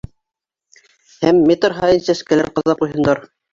Һәм метр һайын сәскәләр ҡаҙап ҡуйһындар.